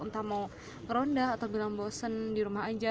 entah mau kerondah atau bilang bosen di rumah aja